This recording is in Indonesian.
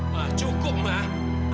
mah cukup mah